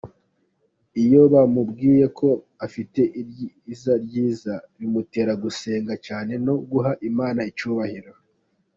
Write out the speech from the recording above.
Iyo bamubwiye ko afite iryi ryiza, bimutera gusenga cyane no guha Imana icyubahiro.